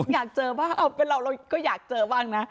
อยากเจอบ้างเราก็อยากเจอบ้างนะ